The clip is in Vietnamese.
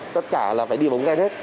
tất cả là phải đi vào ống ghen hết